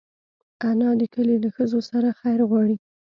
انا د کلي له ښځو سره خیر غواړي